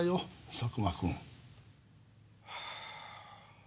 佐久間君。